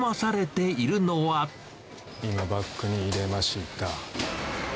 今、バッグに入れました。